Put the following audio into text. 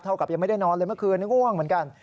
กับยังไม่ได้นอนเลยเมื่อคืนนี้ง่วงเหมือนกัน